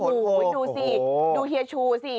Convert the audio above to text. ดูสิดูเฮียชูสิ